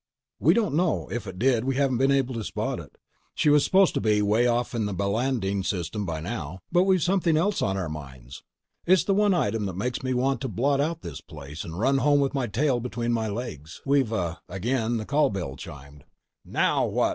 "We don't know. If it did, we haven't been able to spot it. She was supposed to be way off in the Balandine System by now. But we've something else on our minds. It's the one item that makes me want to blot out this place, and run home with my tail between my legs. We've a—" Again the call bell chimed. "NOW WHAT?"